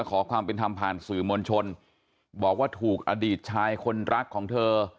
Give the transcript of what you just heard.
ขอความเป็นธรรมผ่านสื่อมวลชนบอกว่าถูกอดีตชายคนรักของเธอ